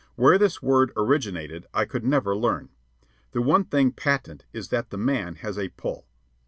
Where this word originated I could never learn. The one thing patent is that the man has a "pull."